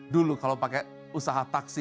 dulu kalau pakai usaha taksi